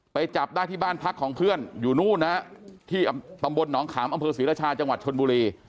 จับได้ที่บ้านพักของเพื่อนอยู่นู่นนะฮะที่ตำบลหนองขามอำเภอศรีราชาจังหวัดชนบุรี